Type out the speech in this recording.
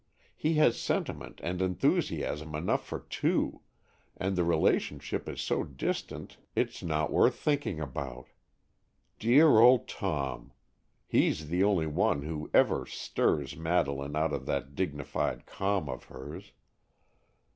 He has sentiment and enthusiasm enough for two, and the relationship is so distant it's not worth thinking about. Dear old Tom! He's the only one who ever stirs Madeleine out of that dignified calm of hers."